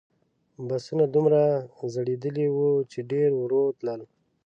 بسونه دومره زړیدلي وو چې ډېر ورو تلل.